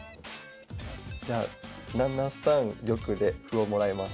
じゃあ７三玉で歩をもらいます。